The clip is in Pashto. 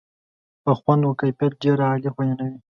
په خوند و کیفیت ډېره عالي بیانوي.